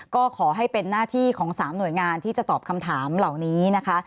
ก็ขอให้เป็นหน้าที่ของ๓หน่วยงานที่จะตอบคำถามเหล่านี้นะคะ